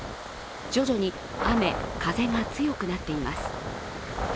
徐々に雨・風が強くなっています。